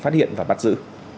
phát hiện và bắt giữ